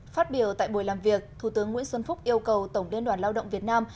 phát biểu tại buổi làm việc thủ tướng nguyễn xuân phúc yêu cầu tổng liên đoàn lao động việt nam